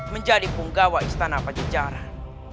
menjadi penggawa istana pajajaran